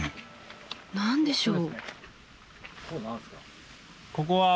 何でしょう？